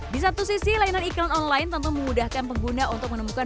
di satu sisi layanan iklan online tentu memudahkan pengguna untuk menemukan